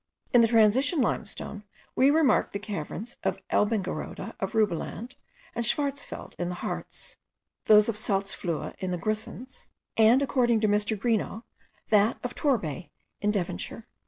In the transition limestone we remark the caverns of Elbingerode, of Rubeland, and of Scharzfeld, in the Hartz; those of the Salzfluhe in the Grisons; and, according to Mr. Greenough, that of Torbay in Devonshire.)